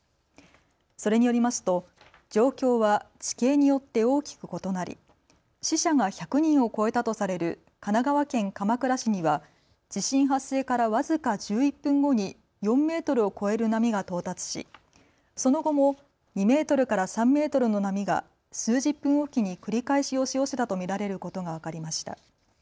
それによりますと状況は地形によって大きく異なり死者が１００人を超えたとされる神奈川県鎌倉市には地震発生から僅か１１分後に４メートルを超える波が到達しその後も２メートルから３メートルの波が数十分置きに繰り返し押し寄せたと見られることが分かりました。